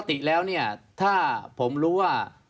ปกติแล้วเนี่ยถ้าผมรู้ว่า